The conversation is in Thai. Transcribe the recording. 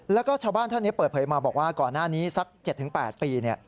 แล้วก็ชาวบ้านท่านนี้เปิดเผยมาบอกว่าก่อนหน้านี้สัก๗๘ปี